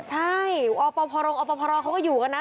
ใช่อล์ปอพรองเขาก็อยู่กันนะ